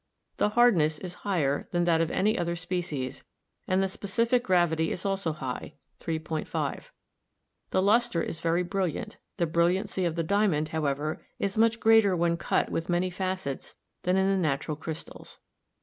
The hardness is higher than that of any other species, and the specific gravity is also high, 3.5. The luster is very brilliant ; the brilliancy of the diamond, how ever, is much greater when cut with many facets than in the natural crystals.